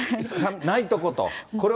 ないとこと。